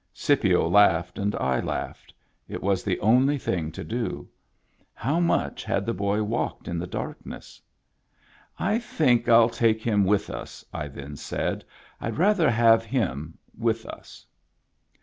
Scipio laughed, and I laughed. It was the only thing to do. How much had the boy walked in the darkness ?" I think 111 take him with us," I then said. " Fd rather have him with us."